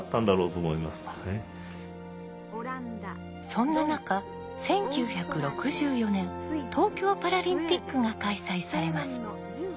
そんな中１９６４年東京パラリンピックが開催されます。